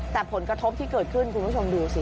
แต่ผลกระทบที่เกิดขึ้นคุณผู้ชมดูสิ